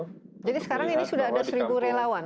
jadi sekarang ini sudah ada seribu relawan